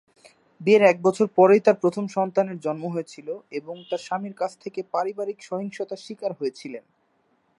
বিয়ের এক বছর পরেই তার প্রথম সন্তানের জন্ম হয়েছিল এবং তার স্বামীর কাছ থেকে পারিবারিক সহিংসতার স্বীকার হয়েছিলেন।